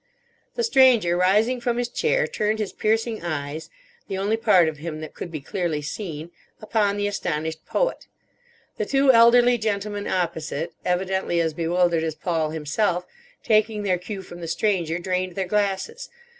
The Stranger, rising from his chair, turned his piercing eyes—the only part of him that could be clearly seen—upon the astonished Poet. The two elderly gentlemen opposite, evidently as bewildered as Paul himself, taking their cue from the Stranger, drained their glasses.